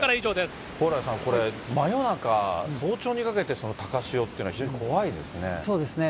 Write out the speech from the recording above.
蓬莱さんこれ、真夜中、早朝にかけて、高潮っていうのは、そうですね。